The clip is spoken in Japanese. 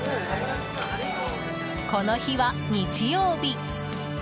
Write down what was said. この日は日曜日。